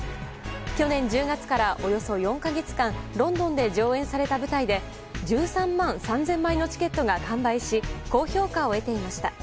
去年１０月から、およそ４か月間ロンドンで上演された舞台で１３万３０００枚のチケットが完売し、高評価を受けていました。